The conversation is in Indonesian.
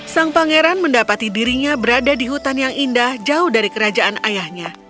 sang pangeran mendapati dirinya berada di hutan yang indah jauh dari kerajaan ayahnya